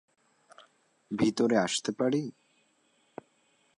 ভিতরে আসতে পারি?